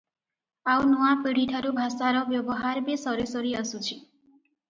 ଆଉ ନୂଆ ପିଢ଼ିଠାରୁ ଭାଷାର ବ୍ୟବହାର ବି ସରିସରି ଆସୁଛି ।